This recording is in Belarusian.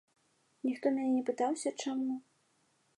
Ніхто мяне не пытаўся, чаму.